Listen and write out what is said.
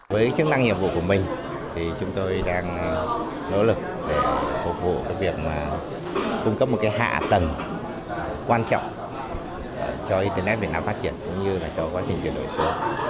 với chức năng nhiệm vụ của mình thì chúng tôi đang nỗ lực để phục vụ việc cung cấp một hạ tầng quan trọng cho internet việt nam phát triển cũng như là cho quá trình chuyển đổi số